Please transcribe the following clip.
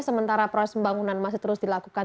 sementara proses pembangunan masih terus dilakukan